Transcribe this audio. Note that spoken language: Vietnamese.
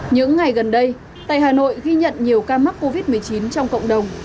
những ngày gần đây tại hà nội ghi nhận nhiều ca mắc covid một mươi chín trong cộng đồng